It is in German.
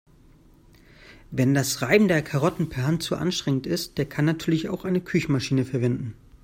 Wem das Reiben der Karotten per Hand zu anstrengend ist, der kann natürlich auch eine Küchenmaschine verwenden.